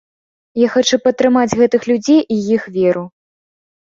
Я хачу падтрымаць гэтых людзей і іх веру.